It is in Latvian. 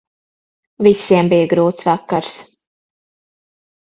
Visiem bija grūts vakars.